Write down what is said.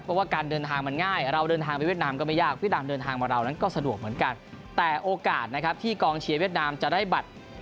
เพราะว่าการเดินทางมันง่ายเราเดินทางไปเวียดนามก็ไม่ยากเวียดนามเดินทางมาเรานั้นก็สะดวกเหมือนกันแต่โอกาสนะครับที่กองเชียร์เวียดนามจะได้บัตร